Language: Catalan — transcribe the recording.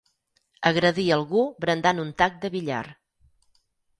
Agredir algú brandant un tac de billar.